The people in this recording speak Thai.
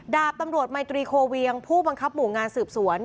ดาบตำรวจไมตรีโคเวียงผู้บังคับหมู่งานสืบสวน